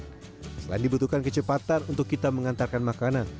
selain dibutuhkan kecepatan untuk kita mengantarkan makanan